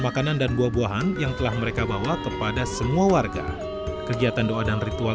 makanan dan buah buahan yang telah mereka bawa kepada semua warga kegiatan doa dan ritual